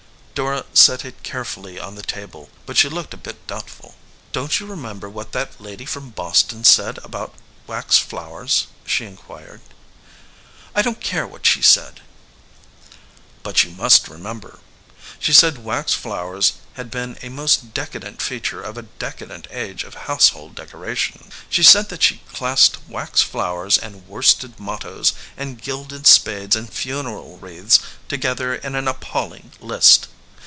Dora set it carefully on the table, but she looked a bit doubtful. "Don t you remember what that lady irom Boston said about wax flowers?" she inquired. "I don t care what she said." "But you must remember. She said wax flowers had been a most decadent feature of a decadent age of household decoration. She said that she classed wax flowers and worsted mottoes and gilded spades and funeral wreaths together in an appalling list.